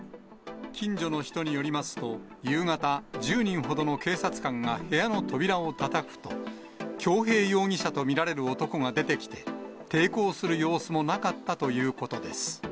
近所の人によりますと、夕方、１０人ほどの警察官が部屋の扉をたたくと、恭平容疑者と見られる男が出てきて、抵抗する様子もなかったということです。